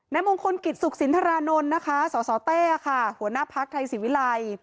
มงคลกิจสุขสินทรานนท์นะคะสสเต้ค่ะหัวหน้าพักไทยศิวิลัย